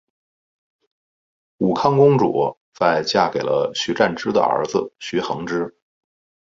武康公主在嫁给了徐湛之的儿子徐恒之。